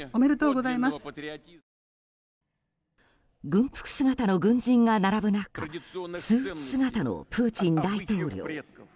軍服姿の軍人が並ぶ中スーツ姿のプーチン大統領。